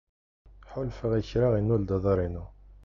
Ḥulfaɣ i kra yennul-d aḍar-inu.